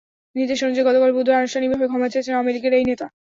নির্দেশ অনুযায়ী, গতকাল বুধবার আনুষ্ঠানিকভাবে ক্ষমা চেয়েছেন আওয়ামী লীগের এই নেতা।